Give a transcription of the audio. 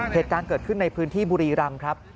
เหตุการณ์เกิดขึ้นในพื้นที่บุรีรำครับ